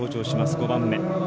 ５番目。